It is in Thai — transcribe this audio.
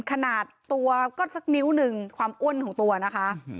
ขนาดตัวก็สักนิ้วหนึ่งความอ้วนของตัวนะคะ